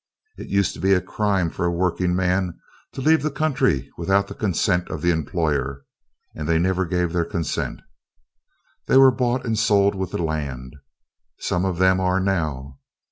It used to be a crime for a working man to leave the county without the consent of the employer; and they never gave their consent. They were bought and sold with the land. Some of them are now.